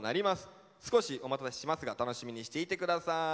少しお待たせしますが楽しみにしていて下さい。